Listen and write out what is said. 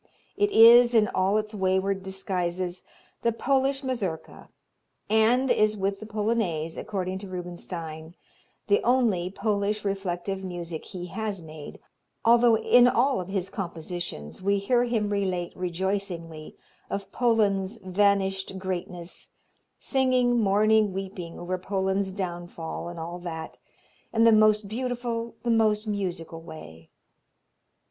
It is, in all its wayward disguises, the Polish Mazurka, and is with the Polonaise, according to Rubinstein, the only Polish reflective music he has made, although "in all of his compositions we hear him relate rejoicingly of Poland's vanished greatness, singing, mourning, weeping over Poland's downfall and all that, in the most beautiful, the most musical, way."